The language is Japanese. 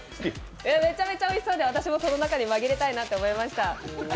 めちゃめちゃおいしそうで私もその中にまぎれたいと思いました。